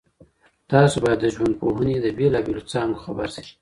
تاسو باید د ژوندپوهنې له بېلابېلو څانګو خبر سئ.